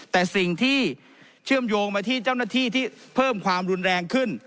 แต่สิ่งที่เชื่อมโยงมาที่เจ้าหน้าที่ที่เพิ่มความรุนแรงขึ้น